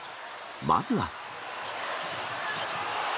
まずは。